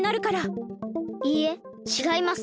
いいえちがいます。